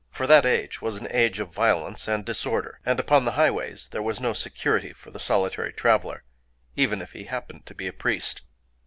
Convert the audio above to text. For that age was an age of violence and disorder; and upon the highways there was no security for the solitary traveler, even if he happened to be a priest.